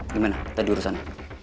gimana tadi urusan